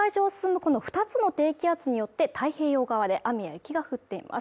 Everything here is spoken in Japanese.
この２つの低気圧によって太平洋側で雨や雪が降っています